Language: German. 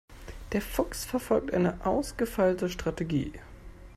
Der Fuchs verfolgt eine ausgefeilte Strategie.